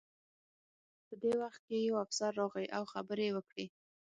په دې وخت کې یو افسر راغی او خبرې یې وکړې